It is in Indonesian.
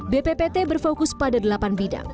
bppt berfokus pada delapan bidang